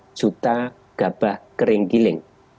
ini lebih rendah dibandingkan periode ini